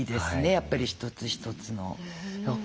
やっぱり一つ一つの。